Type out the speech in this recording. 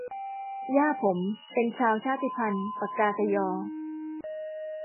ย่าผมเป็นชาวชาติพันธุ์ปกากะญอ